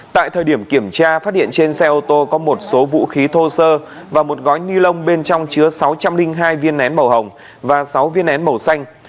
tại thời điểm kiểm tra phát hiện trên xe ô tô có một số vũ khí thô sơ và một gói ni lông bên trong chứa sáu trăm linh hai viên nén màu hồng và sáu viên nén màu xanh